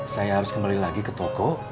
saya harus kembali lagi ke toko